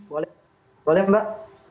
boleh boleh mbak